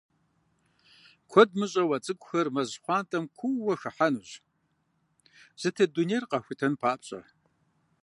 Куэд мыщӀэу, а цӏыкӏухэр мэз щхъуантӀэм куууэ хыхьэнущ, зытет дунейр къахутэн папщӏэ.